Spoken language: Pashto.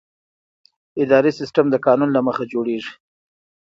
اداري سیستم د قانون له مخې جوړېږي.